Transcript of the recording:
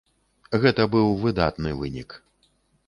Гэта быў выдатны вынік.